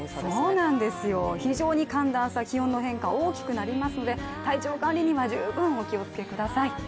そうなんですよ、非常に寒暖差、気温の変化大きくなりますので体調管理には十分お気をつけください。